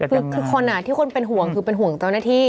คือคนที่คนเป็นห่วงคือเป็นห่วงเจ้าหน้าที่